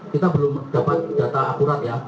kita belum dapat data akurat ya